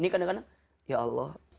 ini kadang kadang ya allah